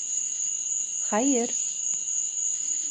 Хәйер...